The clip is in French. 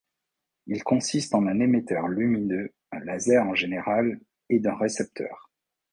Il consiste en un émetteur lumineux, un laser en général, et d'un récepteur.